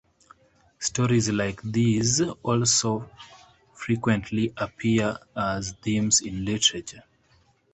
Stories like these also frequently appear as themes in literature.